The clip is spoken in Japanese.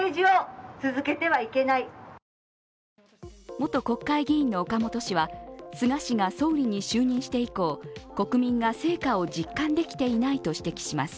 元国会議員の岡本氏は菅氏が総理に就任して以降国民が成果を実感できていないと指摘します。